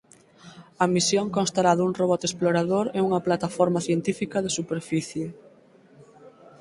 A misión constará dun robot explorador e unha plataforma científica de superficie.